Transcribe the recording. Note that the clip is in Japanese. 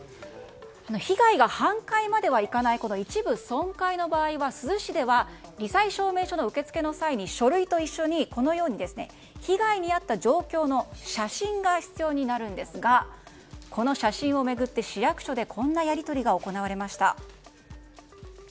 被害が半壊まではいかない一部損壊の場合は珠洲市では罹災証明書の受け付けの際に書類と一緒に被害に遭った状況の写真が必要になるんですがこの写真を巡って市役所でこんなやり取りが行われました。